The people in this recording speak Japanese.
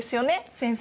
先生。